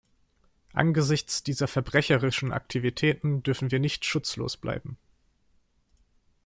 Angesichts dieser verbrecherischen Aktivitäten dürfen wir nicht schutzlos bleiben.